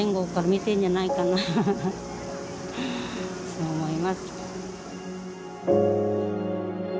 そう思います。